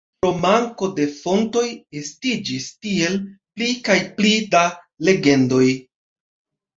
Pro manko de fontoj, estiĝis tiel pli kaj pli da legendoj.